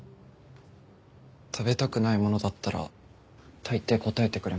食べたくないものだったら大抵答えてくれます。